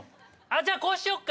じゃあこうしよっか！